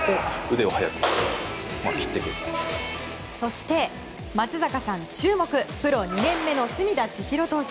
そして、松坂さん注目プロ２年目の隅田知一郎投手。